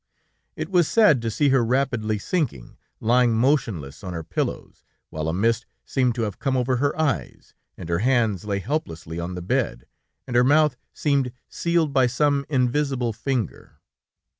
It was sad to see her rapidly sinking, lying motionless on her pillows, while a mist seemed to have come over her eyes, and her hands lay helplessly on the bed and her mouth seemed sealed by some invisible finger.